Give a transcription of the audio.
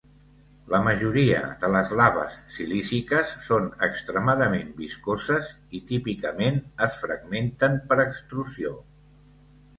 La majoria de les laves silíciques són extremadament viscoses i típicament es fragmenten per extrusió.